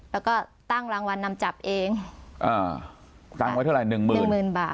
แล้วก็ตั้งรางวัลนำจับเองตั้งไว้เท่าไหร่๑หมื่นบาท